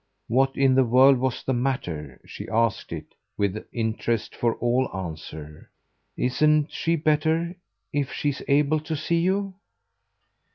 What in the world was the matter? She asked it, with interest, for all answer. "Isn't she better if she's able to see you?"